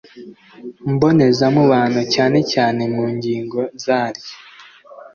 mboneza mubano cyane cyane mu ngingo zaryo